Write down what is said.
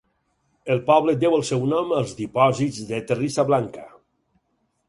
El poble deu el seu nom als dipòsits de terrissa blanca.